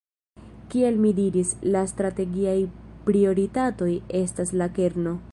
Kiel mi diris, la strategiaj prioritatoj estas la kerno.